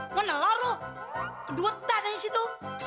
ngelor lo kedutan di situ